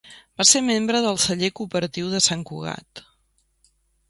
Va ser membre del Celler Cooperatiu de Sant Cugat.